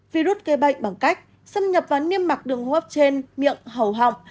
virus gây bệnh bằng cách xâm nhập vào niêm mạc đường hô hấp trên miệng hầu họng